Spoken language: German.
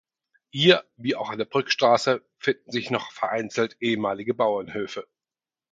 Hier, wie auch an der Brückstraße, finden sich noch vereinzelt ehemalige Bauernhöfe.